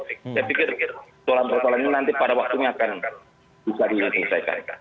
saya pikir persoalan persoalan ini nanti pada waktunya akan bisa diselesaikan